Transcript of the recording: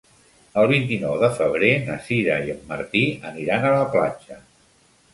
El vint-i-nou de febrer na Sira i en Martí aniran a la platja.